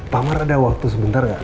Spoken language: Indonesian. pak amar ada waktu sebentar gak